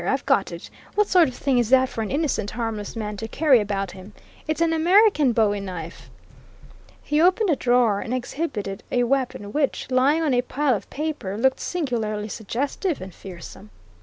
I've got it. What sort of thing is that for an innocent, harmless man to carry about him? It's an American bowie knife!" He opened a drawer and exhibited a weapon which, lying on a pile of paper, looked singularly suggestive and fearsome.